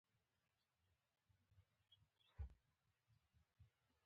د بیولوژي پوهنځی د ځناورو، نباتاتو او انسانانو د ژوند څرنګوالی تشریح کوي.